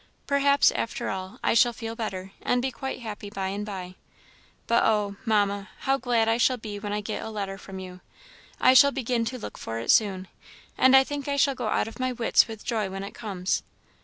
Perhaps, after all, I shall feel better, and be quite happy by and by; but oh! Mamma, how glad I shall be when I get a letter from you! I shall begin to look for it soon, and I think I shall go out of my wits with joy when it comes.